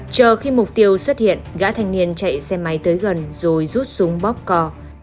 chờ khi mục tiêu xuất hiện gã thanh niên chạy xe máy tới gần rồi rút súng bóp cò